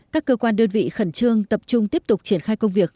các cơ quan đơn vị khẩn trương tập trung tiếp tục triển khai công việc